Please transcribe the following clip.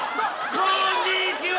こんにちは！